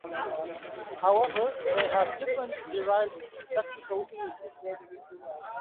However, they have different, derived lexical uses.